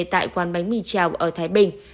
tại quán bánh mì chảo ở thái bình